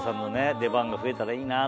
出番が増えたらいいなと思って。